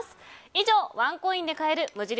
以上、ワンコインで買える無印